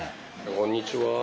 こんにちは。